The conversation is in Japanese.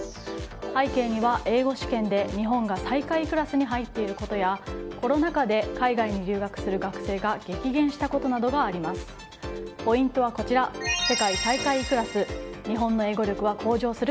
背景には英語試験で日本人が最下位クラスに入っていることやコロナ禍で激減したことなどがあります。